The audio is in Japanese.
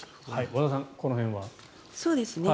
和田さん、この辺は。